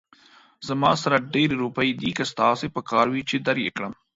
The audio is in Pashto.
زما سره ډېرې روپۍ دي، که ستاسې پکار وي، چې در يې کړم